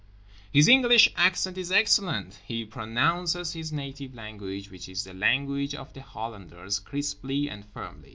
His English accent is excellent. He pronounces his native language, which is the language of the Hollanders, crisply and firmly.